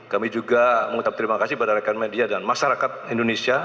kami juga mengucapkan terima kasih kepada rekan media dan masyarakat indonesia